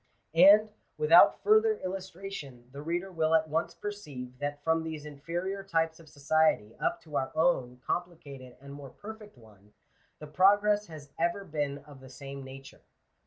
And, without further illustration the reader will at once perceive, that from these inferior types of society up to our own complicated and more perfect one, the progress has ever been of the same nature.